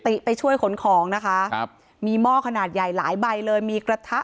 ไปช่วยขนของนะคะครับมีหม้อขนาดใหญ่หลายใบเลยมีกระทะ